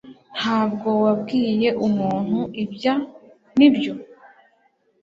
Ntabwo wabwiye umuntu ibya , nibyo?